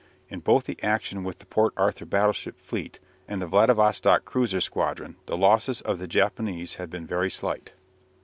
In both the action with the Port Arthur battleship fleet and the Vladivostock cruiser squadron the losses of the Japanese had been very slight.